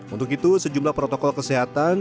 untuk itu sejumlah protokol kesehatan